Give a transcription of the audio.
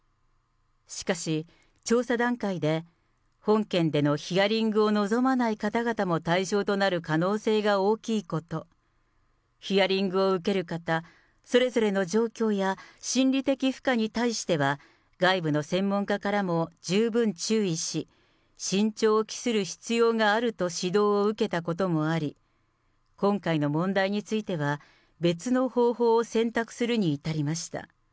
しかし、調査段階で本件でのヒアリングを望まない方々も対象となる可能性が大きいこと、ヒアリングを受ける方、それぞれの状況や心理的負荷に対しては、外部の専門家からも十分注意し、慎重を期する必要があると指導を受けたこともあり、今回の問題については、別の方法を選択するに至りました。